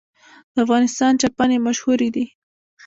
د افغانستان چپنې مشهورې دي